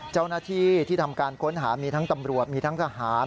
เจ้าหน้าที่ที่ทำการค้นหามีทั้งตำรวจมีทั้งทหาร